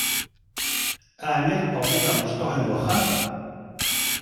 Ɛni d Tom i d amecṭuḥ n uxxam?